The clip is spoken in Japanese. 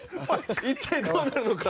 一体どうなるのか？